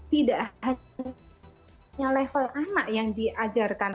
tidak hanya level anak yang diajarkan